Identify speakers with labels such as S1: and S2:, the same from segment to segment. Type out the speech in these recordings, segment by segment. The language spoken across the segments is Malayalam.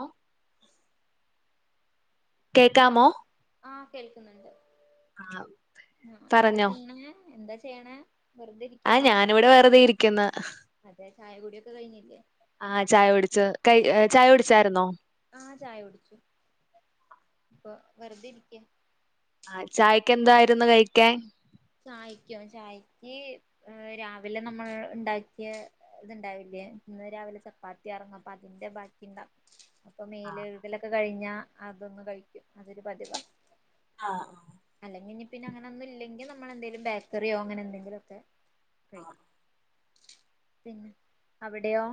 S1: ആഹ്
S2: ഹലോ
S1: കേൾക്കാമോ?
S2: ആഹ് കേൾക്കുന്നുണ്ട്.
S1: ആഹ്
S2: ആഹ് എന്താ
S1: പറഞ്ഞോ
S2: ചെയ്യണെ, എന്താ ചെയ്യണെ? വെറുതെ
S1: ആഹ്
S2: ഇരിക്കാണോ?
S1: ഞാനിവിടെ വെറുതെ ഇരിക്കുന്ന്
S2: അതെ ചായ കുടിയൊക്കെ കഴിഞ്ഞില്ലേ?
S1: ആ ചായ കുടിച്ചു. കൈ ചായ ടിച്ചായിരുന്നോ?
S2: ആ ചായ കുടിച്ചു, ഇപ്പൊ വെറുതെ ഇരിക്ക്.
S1: ആ ചായക്ക് എന്തായിരുന്നു കഴിക്കാൻ?
S2: ചായക്കോ? ചായക്ക് ഏഹ്, രാവിലെ നമ്മൾ ഇണ്ടാക്കിയ ഇത്ണ്ടാവില്ലേ, ഇന്ന് രാവിലെ ച പ്പാത്തി ആയിരുന്നു, അപ്പ അതിന്റെ ബാക്കി ഇണ്ടാ അപ്പൊ മേലെഴുകലൊക്കെ കഴിഞ്ഞാൽ അതൊന്ന് കഴിക്കും അതൊരു പതിവ.
S1: ആഹ്
S2: അല്ലെങ്കിൽ ഇഞ്ഞ് പിന്നെ അങ്ങനൊന്നു ഇല്ലെങ്കിൽ നമ്മളെന്തെലും ബേക്കറിയോ അങ്ങനെ എന്തെങ്കിലൊക്കെ
S1: ആഹ്
S2: കഴിക്കും. പിന്നെ അവിടെയോ?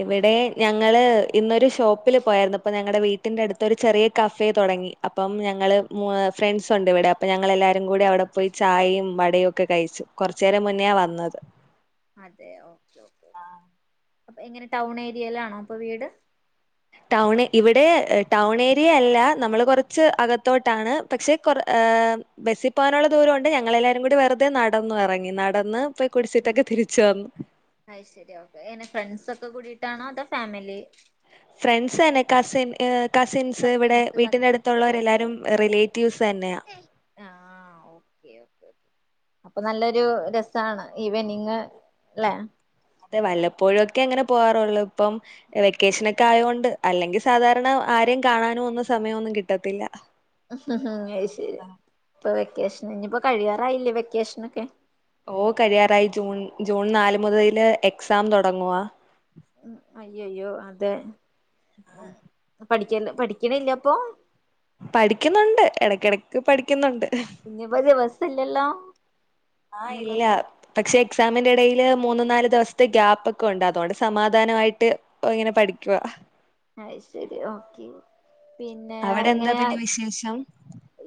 S1: ഇവിടെ ഞങ്ങള് ഇന്നൊരു ഷോപ്പില് പോയേര്ന്നു. അപ്പൊ ഞങ്ങളുടെ വീട്ടിന്റെ അടുത്ത് ഒരു ചെറിയ കഫേ തുടങ്ങി. അപ്പം ഞങ്ങള് ആഹ് ഫ്രണ്ട്സ് ഉണ്ട് ഇവിടെ, അപ്പം ഞങ്ങള് എല്ലാവരും കൂടി അവിടെ പോയി ചായയും വടയൊക്കെ കഴിച്ചു. കൊറച്ചേരം മുന്നേ വന്നത്.
S2: അതെയോ ഓക്കെ, ഓക്കെ
S1: ആഹ്
S2: അപ്പൊ എങ്ങനെ ടൗണ് ഏരിയയിലാണോ അപ്പോൾ വീട്?
S1: ടൗൺ ഇവിടെ ടൗൺ ഏരിയയല്ല നമ്മള് കുറച്ച് അകത്തോട്ടാണ് പക്ഷെ കൊ ബസ്സിൽ പോകാനുള്ള ദൂരമുണ്ട് ഞങ്ങളെല്ലാവാരും കൂടി വെറുതെ നടന്നു ഇറങ്ങി നടന്ന് ഇപ്പ കുടിച്ചിട്ടൊക്കെ തിരിച്ചു വന്നു
S2: അയ് ശരി ഓക്കെ എങ്ങനെ ഫ്രണ്ട് സൊക്കെ കൂടിയിട്ടാണോ അതോ ഫാമിലി
S1: ഫ്രണ്ട്സ നെ കാസിൻ ഏ കസിൻസ് ഇവിടെ വീട്ടിന്റെ
S2: കസിൻസ് ഓക്കെ
S1: അടുത്തുള്ളവരെല്ലാവരും
S2: ഓക്കെ ഓക്കെ ആ
S1: റിലേറ്റീവ്സ്തന്നെയാ
S2: ആഹ് ഓക്കെ ഓക്കെ ഓക്കെ. അപ്പൊ നല്ലൊരു രസാണ് ഇവനിങ്ങ് അല്ലെ
S1: അതെ വല്ലപ്പോഴും ഒക്കെ അങ്ങനെ പോവാാറുള്ളൂ ഇപ്പം വെക്കേഷനൊക്കെ ആയോണ്ട് അല്ലെങ്കിൽ സാധാരണ ആരെയും കാണാനും ഒന്നും സമയമൊന്നും കിട്ടത്തില്ല
S2: അ ശരി ഇപ്പൊ വെക്കേഷൻ ഇനിപ്പോ കഴിയാറായില്ലേ വെക്കേഷനൊക്കെ
S1: ഓ കഴിയാാറായി ജൂൺ ജൂൺ നാല് മുതൽ എക്സാം തുടങ്ങുവ
S2: ഉ അയ്യോയ്യോ അതെ ഉ പഠിക്ക പഠിക്കണില്ല അപ്പൊ
S1: പഠിക്കുന്നുണ്ട് ഇടക്കിടക്ക് പഠിക്കുന്നുണ്ട്
S2: ഇ ഞ്ഞിപ്പം ദിവസല്ലല്ലോ
S1: ആഹ് ഇല്ല പക്ഷെ എക്സാമിന്റെ ഇടയില് മൂന്ന്ു നാല് ദിവസത്തെ ഗ്യാപ്പ് ഒക്കെ ഉണ്ട് അതുകൊണ്ട് സമാധാനമായിട്ട് ഓ ഇങ്ങനെ പഠിക്കുവാ
S2: അ ശരി ഓക്കെ പിന്നെ
S1: അവിടെ എന്താ
S2: എങ്ങനെയാ
S1: പിന്നെ വിശേഷം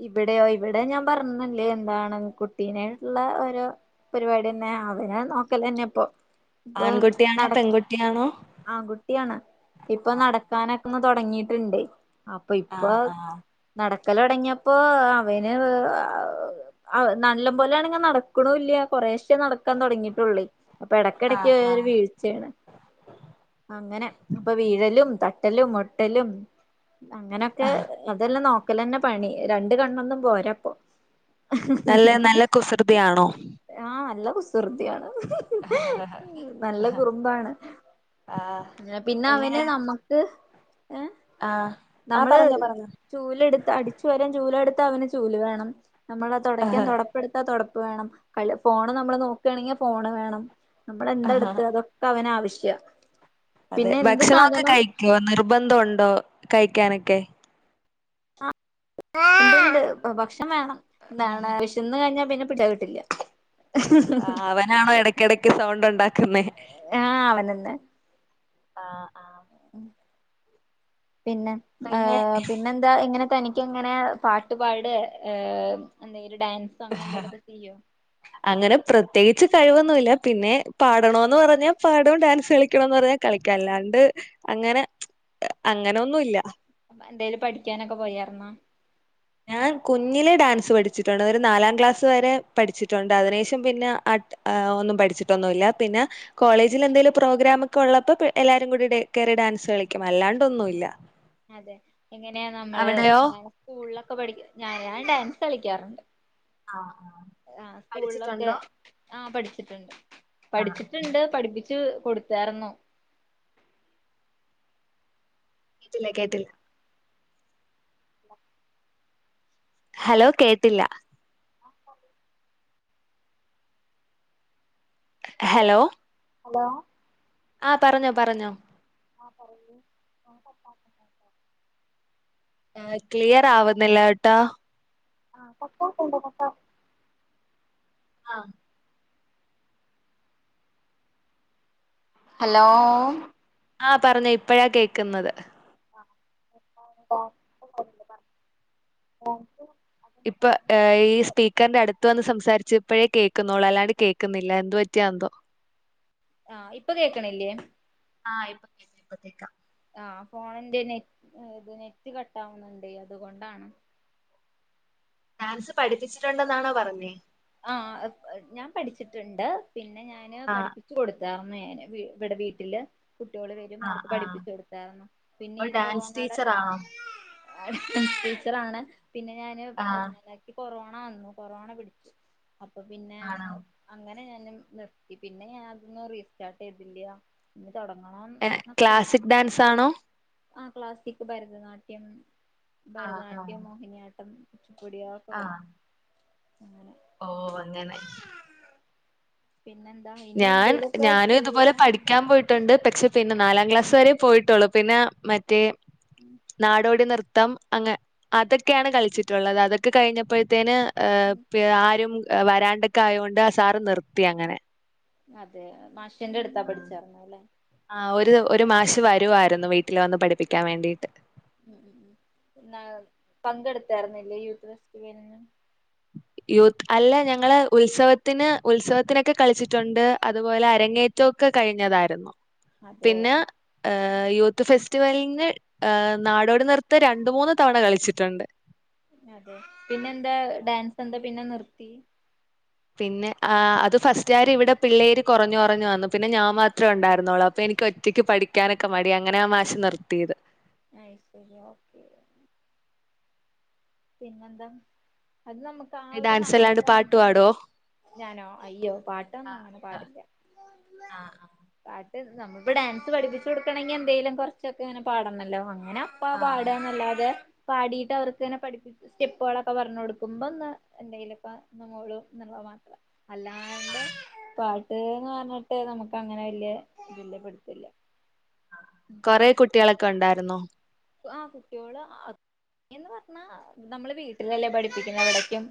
S2: ഇവിടെയൊ ഇവിടെ ഞാൻ പറഞ്ഞല്ലേ എന്താണ് കുട്ടീനെട്ടുള്ള ഓരോ പരിപാടി തന്നെ അവനാൻ നോക്കലന്നെ ഇപ്പൊ ഇപ്പൊ
S1: ആൺകുട്ടിയാണോ
S2: നട
S1: പെൺകുട്ടിയാണോ
S2: ആൺ കുട്ടിയാണ് ഇപ്പൊ നടക്കാനൊക്ക ന്ന് തുടങ്ങിട്ടുണ്ട് അപ്പൊ ഇപ്പൊ
S1: ആഹ് ആഹ്
S2: നടക്കലടങ്ങിയപ്പോൊ അവന് ആ നല്ലം പോലെയാണിങ്ങ നടക്കണില്ല കൊറെേശ്േ നടക്കാൻ തുടങ്ങിയിട്ടുള്ളേ അപ്പൊ ഇടക്കടക്ക്
S1: ആഹ് ആഹ് ആഹ്
S2: ഒരുവീഴ്ചയാണ് അങ്ങനെ അപ്പൊ വീഴ ലും തട്ടലും മുട്ടലും അങ്ങനൊക്കെ
S1: ആഹ്
S2: അതെല്ലാം നോക്കലന്നെ പണി രണ്ട് കണ്ണൊന്നും പോരാപ്പോ
S1: നല്ല നല്ല കുസൃതിയാണോ
S2: ആഹ് നല്ല കുസൃത്തിയാണ് നല്ല കുറുമ്പാണ്
S1: ആഹ്
S2: പിന്നെ
S1: എങ്ങനെ
S2: അവന് ന നമക്ക് ഏ
S1: ആഹ് ആഹ്
S2: നമ്മള്
S1: പറഞ്ഞോ പറഞ്ഞോ
S2: ചൂലെടുത്ത് അടിച്ചു വരാൻ ചൂലെടുത്ത അവന് ചൂല് വേണം നമ്മൾ തൊടയ്ക്കാൻ തുട പെടുത്താ തൊടപ്പ് വേണം ക ഫോണ് നമ്മള് നോക്കുകണെങ്കിൽ ഫോണ് വേണം നമ്മള എന്താ എടുത്ത് അതൊക്കെ പ്പവന ആവശ്യ
S1: അതെ
S2: പിന്നെ എന്ത്
S1: ഭക്ഷണൊക്കെ
S2: സാധനം
S1: കഴിക്കുവോ നിർബന്ധം ഉണ്ടോ കഴിക്കാനൊക്കെ?
S2: ആണ്ട് ഉണ്ട് ഉണ്ട് ഭക്ഷണം വേണം
S1: ആഹ്
S2: എന്താണ്ഷ് തിന്ന് കഴഞ്ഞാ പിന്നെ പിട് ച്ചാകിട്ടില്ല
S1: ആ അവനാണോ എടക്കിടയ്ക്ക് സൗണ്ട് ഉണ്ടാക്കുന്നെ?
S2: ആഹ അവനെന്നെ
S1: ആഹ് ആഹ്
S2: പിന്നെ ആ
S1: പിന്നെ
S2: പി പിന്നെന്താ ഇങ്ങനെ തനിക്ങ്ങനെ പാട്ട്പാടേ ഏഹ് എന്തങ്കിലും ഡാൻസ് സ് അങ്ങെ എന്തേലൊക്കെ ചെയ്യോ?
S1: അങ്ങനെ പ്രത്യേകിച്ച് കഴിവൊന്നുല്ല പിന്നെ പാടണോന്ന് പറഞ്ഞാ പാടും ഡാൻസ് കളിക്കണംന്ന് പറഞ്ഞാ കളിക്കല്ലാണ്ട് അങ്ങനെ അങ്ങനെന്നുല്ല.
S2: അപ്പൊ എന്തായാലും പഠിക്കാനൊക്കെ പോയർന്നോ?
S1: ഞാൻ കുഞ്ഞിലെ ഡാൻസ് പഠിച്ചിട്ടുണ്ട്. ഒരു നാലാം ക്ലാസ് വരെ പഠിച്ചിട്ടുണ്ട്. അതിനുശേഷം പിന്നെ ആ് ഒന്നും പഠിച്ചിട്ടൊന്നുല്ല പിന്നെ കോളേജിൽ എന്തേലും പ്രോഗ്രാംമ ഒക്കെ ഉള്ളപ്പോ എല്ലാരും കൂടി ടേ കയറി ഡാൻസ് കളിക്കും അല്ലാണ്ട് ഒന്നുല്ല.
S2: അതെ എങ്ങനെയാ നമ്മള് ഞാൻ സ്കൂളിലൊക്കെ പഠിക് ഞാൻ ഞാൻ ഡാൻസ് കളിക്കാറുണ്ട്.
S1: ആ
S2: ആഹ സ്കൂള്ളൊക്കെ
S1: പഠിച്ചിട്ടുണ്ടോ
S2: ആഹ പഠിച്ചിട്ടുണ്ട്
S1: ആ
S2: പഠിച്ചിട്ടുണ്ട് പഠിപ്പിച്ച് കൊടുത്താർന്നു.
S1: കേട്ട്ല്ല കേട്ടില്ല ഹലോ കേട്ടില്ല ഹലോ
S2: ഹലോ
S1: ആ പറഞ്ഞോ പറഞ്ഞോ
S2: ആ പറിയൂ [unintelligible]
S1: ഏഹ് ക്ലിയർ ആവുന്നില്ല ട്ടാ
S2: ആഹ പക്കക്കണ്ട് പക്ക
S1: ആഹ്
S2: ഹലോ
S1: ആഹ പറഞേ ഇപ്പഴാ കേക്ന്നത്.
S2: ആ [unintelligible]
S1: ഇപ്പൊ ഈ സ്പീക്കറിന്റെ അടുത്ത് വന്ന് സംസാരിച്ച ഇപ്പഴേ കേൾക്കുന്നുള്ളൂ. അല്ലാണ്ട് കേക്കുന്നില്ല എന്തു പറ്റിയാ എന്തോ? [inaudible]
S2: ആഹ ഇപ്പൊ കേക്ണില്ലേ?
S1: ആഹ ഇപ്പത്തേക്കാ ഇപ്പത്തേക്കാ
S2: ആ ഫോണിന്റെ നെറ്റ് നെറ്റ് കട്ടാവുന്നുണ്ട് അതുകൊണ്ടാണ്.
S1: ഡാൻസ് പഠിപ്പിച്ചിട്ടുണ്ടെന്നാണോ പറഞ്ഞേ?
S2: ആ ഞാൻ പഠിച്ചിട്ട്ണ്ട് പിന്നെ ഞാന്
S1: ആഹ്
S2: പഠിപ്പി ച്ച് കൊടുത്താർ ഞാന് ഇവിടെ വീട്ടില് കുട്ടിയോള് വരും ആ
S1: ആഹ്
S2: വർക്ക്
S1: ആഹ്
S2: പഠിപ്പിച്ചു കൊടുത്തായിർന്നു. പിന്നെ
S1: അപ്പൊ
S2: ഈ
S1: ഡാൻസ്
S2: കൊറോണയുടെ
S1: ടീച്ചറാണോ
S2: ഡാൻസ് ടീച്ചറ ആണ് പിന്നെ ഞാന്
S1: ആഹ്
S2: ക്കി കൊറോണ വന്നു കൊറോണ പിടിച്ചു. അപ്പൊ പിന്നെ
S1: ആണോ
S2: അങ്ങനെ ഞാനും നിർത്തി പിന്നെ ഞാൻ അതൊന്നും റീസ്റ്റാർട്ട് ചെയ്തില്യ. ഇനി തൊടങ്ങണം
S1: ഏഹ് ക്ലാസിക് ഡാൻസ് ആണോ?
S2: ആ ക്ലാസ്സിക് ഭരതനാട്യം
S1: ആഹ് ആഹ്
S2: ഭരതനാട്യം മോഹിനിയാട്ടം കുച്ചുപ്പുടിയ
S1: ആഹ്
S2: അങ്ങനെ
S1: ഓ അങ്ങനെ
S2: പിന്നെന്താ ഇനി
S1: ഞാൻ
S2: എന്തേലുമൊക്കെ
S1: ഞാന് തുപോലെ
S2: ചെയ്യണണ്ട്
S1: പഠിക്കാൻ പോയിട്ട് ട്ട്ണ്ട് പക്ഷെ പിന്നെ നാലാം ക്ലാസ് വരെ പോയിട്ടുള്ളു. പിന്നെ മറ്റേ
S2: [inaudible]
S1: നാടോടി നൃത്തം അങ്ങ അതൊക്കെയാണ് കളിച്ചിട്ടുള്ളത്. അതൊക്കെ കഴിഞ്ഞപ്പോഴത്തേന് ഏഹ് പി ആരും വരാണ്ടൊക്കെ ആയൊണ്ട് ആ സാറ് നിർത്തി അങ്ങനെ.
S2: അതെ മാഷ്യന്റെ ടുത്താ പഠിച്ചർന്ന ല്ലേ
S1: ആഹ് ഒരു ഒരു മാശ് വരുവായിരുന്നു വീട്ടില് വന്ന് പഠിപ്പിക്കാൻ വേണ്ടിട്ട്.
S2: ഉ ഉ ഉ പങ്കെടുത്തായിരുന്നില്ലേ യൂത്ത് ഫെസ്റ്റിവൽന്?
S1: യൂത്ത് അല്ല ഞങ്ങളെ ഉത്സവത്തിന് ഉത്സവത്തിനൊക്കെ കളിച്ചിട്ടുണ്ട് അതുപോലെ അരങ്ങേ റ്റൊക്കെ കഴിഞ്ഞതായിരുന്നു
S2: അതെ
S1: പിന്നെ ഏഹ് യൂത്ത് ഫെസ്റ്റിവലിന് ആഹ് നാടോടി നിർത്ത രണ്ട് മൂന്ന് തവണ കളിച്ചിട്ടുണ്ട്
S2: അതെ പിന്നെന്താ ഡാൻസ് എന്താ പിന്നെ നിർത്തി
S1: പിന്നെ ആ അത് ഫസ്റ്റ് ആർ ഇവിടെ പിള്ളേര് കൊറഞ്ഞുറഞ് വന്നു പിന്നെ ഞാൻ മാത്രേ ണ്ടായിരുന്നുള്ളൂ അപ്പൊ എനിക്ക് ഒ റ്റയ്ക്ക് പഠിക്കാനൊക്കെ മടി അങ്ങനെ ആ മാഷ് നിർത്തിയത്
S2: അയ് ശരി ഓക്കെ പിന്നെന്താ അത് നമുക്ക് ആ
S1: ഈ
S2: ഒരു
S1: ഡാൻസ്സല്ലാണ്ട് പാട്ട്
S2: സമയത്ത്
S1: പാടോ?
S2: ഞാനോ അയ്യോ പാട്ടൊന്നും അങ്ങനെ പാടില്ല
S1: ആഹ്
S2: പാട്ട് നമ്മളിപ്പൊ ഡാൻസ് പഠിപ്പിച്ചു കൊടുക്കണങ്കി എന്തേങ്കിലും കുറച്ചൊക്കെ ഇങ്ങനെ പാടണല്ലോ അങ്ങനെ അപ്പാ
S1: ആഹ് ആഹ്
S2: പാടാന്നല്ലാതെ പാടിയിട്ട് അവർക്ക്ങ്ങനെ പഠി സ്റ്റെപ്പുകളൊക്കെ പറഞ്ഞ് കൊടുക്കുമ്പോന്ന് എന്തെല്ക്കെ മൂളും എന്നുള്ള മാത്ര അല്ലാണ്ട്
S1: ആഹ്
S2: പാട്ട്ന്ന് പറഞ്ഞിട്ട് നമുക്ക് അങ്ങനെ വല്യ വല്യ പിടുത്തം ഇല്ല
S1: കൊറേ കുട്ടികളൊക്കെ ഉണ്ടായിരുന്നോ?
S2: ആഹ് കുട്ടിയോള്‌ അ ന്ന് പറഞ്ഞാ നമ്മള് വീട്ടിലല്ലേ പഠിപ്പിക്കുന്ന എവിടക്കും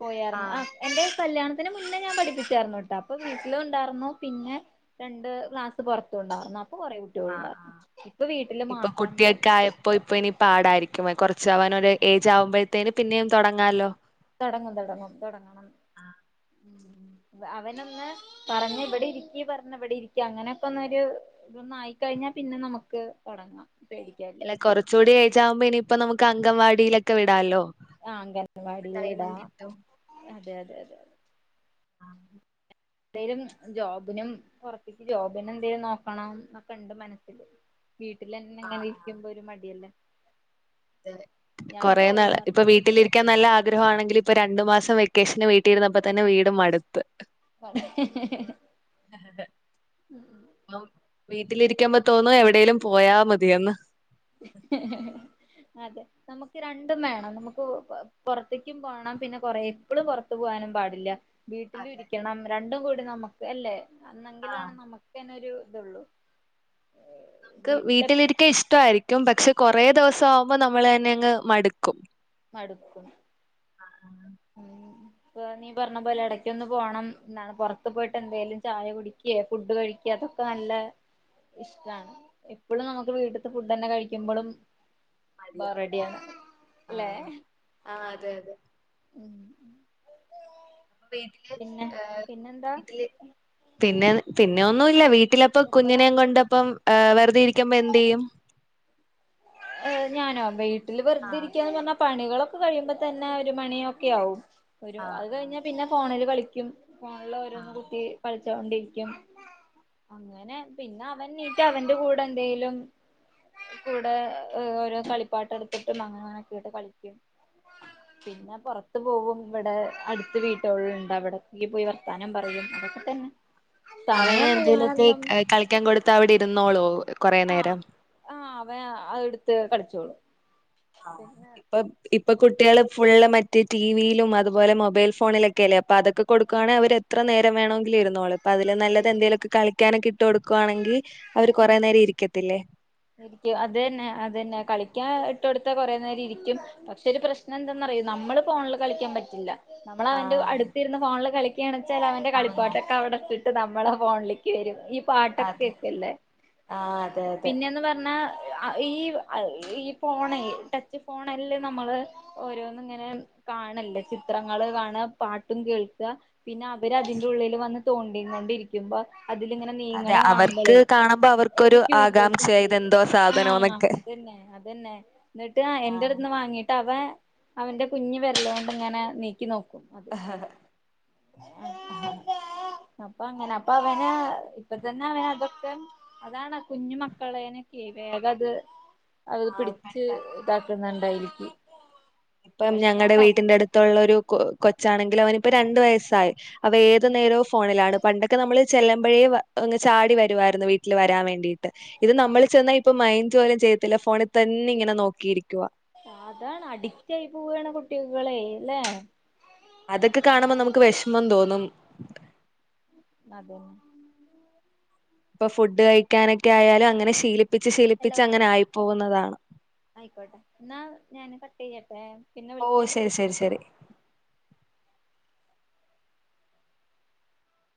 S2: പോയർന്ന് ആഹ് എന്റെ കല്യാണത്തിന് മുന്നേ ഞാൻ പഠിപ്പിച്ചായിരുന്നു കേട്ടാ അപ്പൊ വീട്ടിലും ഉണ്ടാരുന്നു പിന്നെ രണ്ട് ക്ലാസ് പോറത്തുണ്ടായിർന്നു അപ്പൊ കൊറെ കുട്ട്യോൾ ഉണ്ടായിരുന്നു ഇപ്പൊ വീട്ടില് മാത്രം
S1: കായപ്പോ ഇപ്പോ ഇനി പാടായിരിക്കും കൊറച്ചവനോരു ഏജ് ആകുമ്പഴത്തേന് പിന്നെയും തൊടങ്ങാലോ
S2: തൊടങ്ങും തൊടങ്ങും തൊടങ്ങണം അവനൊന്ന് പറഞ്ഞ ഇവിടെ ഇരിക്ക് പറഞ്ഞ ഇവിടെ ഇരിക്കും അങ്ങനൊക്കെ ഒന്നൊരു ഇതൊന്ന് ആയിക്കഴിഞ്ഞാൽ പിന്നെ നമുക്ക് തോടങ്ങാം പേടിക്കാല്ല
S1: കൊറചൂടെ അയ്ജവുമ്പോ ഇനിയിപ്പ നമുക്ക് അങ്കവാടിയിലൊ ക്ക് വിടാലോ
S2: ആ അംഗൻവാടിയിൽ
S1: ടൈമും
S2: വിടാ
S1: കിട്ടും
S2: അതെ അതെ അതെ
S1: ആഹ്
S2: എന്തേലും ജോബിനും പൊറത്തിയ്ക്ക് ജോബിനും എന്തെലും നോക്കണം ന്നൊക്കെ ഉണ്ട് മനസ്സില് വീട്ടിലെന്നെ ങ്ങനെ
S1: ആഹ്
S2: ഇരിക്കുമ്പോ ഒരു മടിയല്ലേ
S1: അതേ അതെ
S2: ഞാന്
S1: കുറെേ നാള്‌
S2: പോയാർന്നു
S1: ഇപ്പൊ വീട്ടിലി ക്കാ നല്ല ആഗ്രഹവാണെങ്കില് ഇപ്പോ രണ്ടുമാസ വെക്കേഷന് വീട്ടിലിരുന്നപ്പോൾ തന്നെ വീ ട്ട് മടുത്ത് വീട്ടിലിരിക്കുമ്പ തോന്നും എവിടെലും പോയാ മതിയന്ന്
S2: അതെ നമുക്ക് രണ്ടും വേണം നമുക്ക് പൊറത്തേയ്ക്കും പോണം പിന്നെ കൊറെേ എപ്പളും പൊറത്തു പോകാനും പാടില്ല
S1: അതെ
S2: വീട്ടിലുരിക്കണം രണ്ടും കൂടി നമുക്ക് അല്ലേ അന്നെങ്കിലാണ്
S1: ആഹ്
S2: നമ്മക്ക് ക്കെന്നെ ഒരു ഇത് ഒള്ളൂ
S1: നമക്ക് വീട്ടിലിരിക്ക ഇഷ്ടവായിരിക്കും പക്ഷെ കൊറേ ദിവസം ആവുമ്പോ നമ്മള് തന്നെങ്ങ് മടുക്കും
S2: മടുക്കും
S1: ആഹ് ആഹ്
S2: ഉം ഇപ്പ നീ പറഞ്ഞ പോലെ എടക്കൊന്ന് പോണം എന്നാണ് പുറത്ത് പോയിട്ട് എന്തേലും ചായ കുടിക്ക ക്കെ ഫുഡ് കഴിക്കെ അതൊക്കെ നല്ല ഇഷ്ടാണ് എപ്പളും നമുക്ക് വീട്ടിത്തെ ഫുഡ് തന്നെ കഴിക്കുമ്പളും
S1: മതിയാവും
S2: ല്ലേ
S1: ആഹ് ആഹ് അതെ അതെ
S2: ഉം ഉം
S1: വീടില് വീട്ടില് പിന്നെ പിന്നെ ഒന്നുംല്ല വീട്ടില ഇപ്പൊ
S2: എപ്പളാ
S1: കുഞ്ഞിനെയും
S2: ഫുഡ്
S1: കൊണ്ടപ്പ ആ വെറുതെ ഇരിക്കുമ്പോ എന്ത് ചെയ്യും
S2: ഞാനോ വീട്ടില് വെറുതെ
S1: ആഹ്
S2: ഇരിക്കാന്ന് പറഞ്ഞ പണികളൊക്കെ കഴിയുമ്പോ തന്നെ ഒരു മണിയൊക്കെ ആവും ഒരു
S1: ആഹ്
S2: അത് കഴിഞ്ഞാ
S1: ആഹ്
S2: പിന്നെ ഫോണില് കളിക്കും ഫോണില്
S1: ആഹ്
S2: ഓരോന്ന് കുത്തി പ ടിച്ചോക്കൊണ്ടിരിക്കും അങ്ങനെ പിന്നെ അവൻ എണീറ്റ അവന്റെ കൂടെ എന്തേലും കൂടെ ഓരോ കളിപ്പാട്ട എടുത്തിട്ടും അങ്ങനെ അങ്ങനെക്കെയിട്ട് കളിക്കും പിന്നെ പൊറത്ത് പോവും ഇവിടെ അടുത്ത് വീട്ടുകളുണ്ട് അവിടക്ക് പോയി വർത്താനം പറയും അതൊക്കെ സമയം മുഴുവനെല്ലാം
S1: ക്കാൻ കൊടുത്താ അവിടെ ഇരുന്നോളോ കൊറേ
S2: ആഹ്
S1: നേരം?
S2: ആഹ് അവേൻ അത് എടുത്ത് കളിച്ചോളും പിന്നെ
S1: ഇപ്പ ഇപ്പൊ കുട്ടികള് ഫുള്ള് മറ്റ് ടിവിയിലും അതുപോലെ മൊബൈൽ ഫോണിലൊക്കെ ഒക്കെ അല്ലെ അതൊക്കെ കൊടുക്കവാണെ അവര് എത്ര നേരം വേണെങ്കി ഇരുന്നോളും അതില് നല്ലത് എന്തേലൊക്കെ കളിക്കാനൊക്കെ ഇട്ട് കൊടുക്കുവാണെങ്കില് അവര് കൊറെ നേരം ഇരിക്കത്തില്ലേ
S2: ശരിക്കും അത് തന്നെ അത് തന്നെ കളിക്കാൻ ഇട്ട് കൊടുത്ത കൊറെ നേരം ഇരിക്കും പക്ഷെ ഒരു പ്രശ്നം എന്താന്നറിയോ നമ്മള് ഫോണില് കളിക്കാൻ പറ്റില്ല നമ്മള അവന്റെ
S1: ആഹ്
S2: അടുത്തിരുന്ന് ഫോണില് കളിക്കാണെച്ചാൽ അവന്റെ
S1: അവൻ നോക്കും
S2: കളിപ്പട്ടൊക്കെ അവിടെ ഇട്ടിട്ട് നമ്മളെ ഫോണില് ക്ക് വരും ഈ പാട്ടൊക്കെ
S1: അതെ
S2: കേക്കല്ലേ
S1: ആഹ് അതെ അതെ
S2: പിന്നെ എന്ന് പറഞ്ഞാ ഈ ഈ ഫോണെ ടച്ച് ഫോണല്ല നമ്മള് ഓരോന്നും ഇങ്ങനെ കാണല്ലേ ചിത്രങ്ങള് കാണ പാട്ടും കേൾക്ക പിന്നെ അവര് അതിന്റെ ഉള്ളില് വന്ന് തോണ്ടീ കൊണ്ടിരിക്കും പ്പോ അതിലിങ്ങനെ
S1: അതെ
S2: നീങ്ങണെ
S1: അവർക്ക്
S2: കാണുമ്പോളേ
S1: കാണുമ്പോ അവർക്കൊരു
S2: ഒരു ക്യൂരിയോസിറ്റി
S1: ആകാംക്ഷയാ ഇതെന്തോ
S2: ആഹ
S1: സാധനോന്നൊക്കെ.
S2: അതന്നെ അതന്നെ എന്നിട്ട് എന്റെടുത്ത്ന്ന് വാങ്ങിട്ട് അവ അവന്റെ കുഞ്ഞ് വെരല് കൊണ്ട് ഇങ്ങനെ നീക്കി നോക്കും
S1: അതെ
S2: അപ്പ അങ്ങനെ അപ്പ അവനാ ഇപ്പ തന്നെ അവന് അതൊക്കെ അതാണ് കുഞ്ഞു മക്കളേനൊക്കെ വേഗം അത് അത് പിടിച്ച്
S1: പെട്ടെന്ന്
S2: ഇതാ ക്കുന്നുണ്ടായിരിക്കും
S1: ഇപ്പം ഞങ്ങടെ വീട്ടിന്റെ അടുത്തുള്ള ഒരു കൊ കൊച്ചാണെങ്കിൽ അവനിപ്പ രണ്ടു വയസ്സായി അവ ഏതു നേരവും ഫോണിലാണ് പണ്ടെ നമ്മള് ചെല്ലുമ്പഴേ ചാടി വരുമായിരുന്നു വീട്ടിൽ വരാൻ വേണ്ടിയിട്ട് ഇത് നമ്മൾ ചെന്ന ഇപ്പൊ മൈൻഡ് പോലും ചെയ്യത്തില്ല ഫോണിൽ തന്നെ ഇങ്ങനെ നോക്കിയിരിക്കുവ
S2: ആ അതാണ് അഡിക്റ്റയി പോവാണ് കുട്ടികളെ അല്ലേ
S1: അതൊക്കെ കാണുമ്പ നമുക്ക് വെഷമം തോന്നും
S2: അതെ
S1: ഇപ്പൊ ഫുഡ് കഴിക്കാനൊക്കെ ആയാലും അങ്ങനെ ശീലിപ്പിച്ച് ശീലിപ്പിച്ച് അങ്ങനെ ആയി പോകുന്നതാണ്
S2: ന്നാ ആയിക്കോട്ടെ എന്നാ ഞാന് കട്ട് ചെയ്യട്ടെ പിന്നെ
S1: ഓ
S2: വിളിക്കാം
S1: ശരി ശരി ശരി